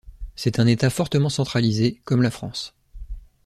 C' est un Etat fortement centralisé, comme la France.